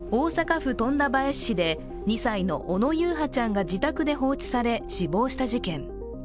おととい、大阪府富田林市で２歳の小野優陽ちゃんが自宅で放置され、死亡した事件。